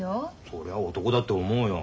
そりゃ男だって思うよ。